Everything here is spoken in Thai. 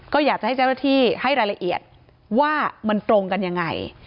ก็อยากจะให้เจ้าหน้าที่ให้รายละเอียดว่ามันตรงกันยังไง